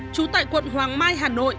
chú tại quận hoàng mai hà nội